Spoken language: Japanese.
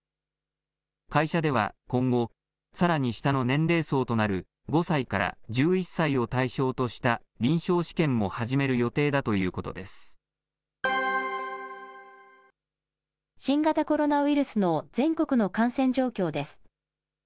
会社では今後、さらに下の年齢層となる５歳から１１歳を対象とした臨床試験も始める予定だという新型コロナウイルスの全国の感染状況です。